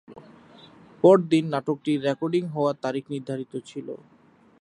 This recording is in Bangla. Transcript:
পরদিন নাটকটির রেকর্ডিং হওয়ার তারিখ নির্ধারিত ছিল।